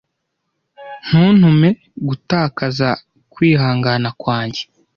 Ntuntume gutakaza kwihangana kwanjye.